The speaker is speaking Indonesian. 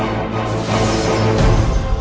aku akan menangkan gusti ratu